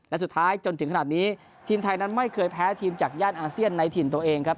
และสุดท้ายจนถึงขนาดนี้ทีมไทยนั้นไม่เคยแพ้ทีมจากย่านอาเซียนในถิ่นตัวเองครับ